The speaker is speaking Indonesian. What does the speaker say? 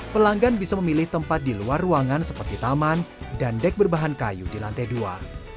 pelanggan bisa memilih tempat di luar ruangan seperti taman dan dek berbahan kayu di lantai dua